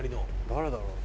誰だろう？